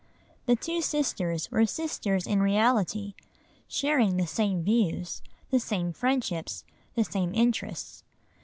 The two sisters were sisters in reality, sharing the same views, the same friendships, the same interests.